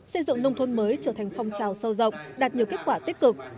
xây dựng nông thôn mới trở thành phong trào sâu rộng đạt nhiều kết quả tích cực